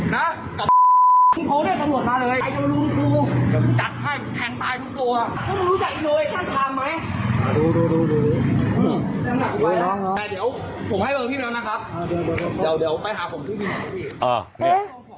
แต่เดี๋ยวผมให้บอกพี่แล้วนะครับอ่าเดี๋ยวเดี๋ยวไปหาผมที่อ่าเนี้ย